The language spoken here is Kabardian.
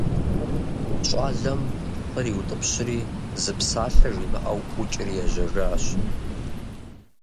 Щӏалэм хъыр иутӏыпщри, зы псалъэ жимыӏэу, ӏукӏри ежьэжащ.